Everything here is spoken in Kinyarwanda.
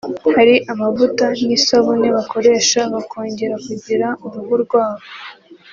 hari amavuta n’isabune bakoresha bakongera kugira uruhu rwabo